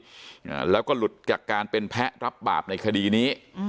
อ่าแล้วก็หลุดจากการเป็นแพ้รับบาปในคดีนี้อืม